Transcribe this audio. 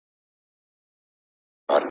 موږ بايد خپل ژوند منظم وساتو.